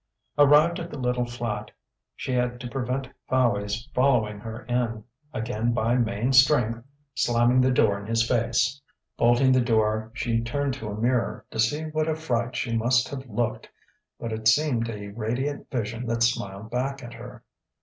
Arrived at the little flat, she had to prevent Fowey's following her in, again by main strength, slamming the door in his face. Bolting the door, she turned to a mirror "to see what a fright she must have looked." But it seemed a radiant vision that smiled back at her.